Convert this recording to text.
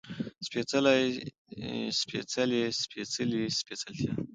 سپېڅلی، سپېڅلې، سپېڅلي، سپېڅلتيا